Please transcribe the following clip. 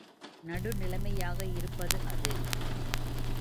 நடுநிலைமையாக இருப்பது அது.